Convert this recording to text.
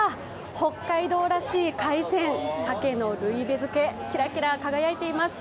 北海道らしい海鮮、鮭のルイベ漬け、キラキラ輝いています。